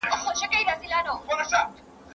¬ زه دي پر ايمان شک لرم، ته مريدان راته نيسې.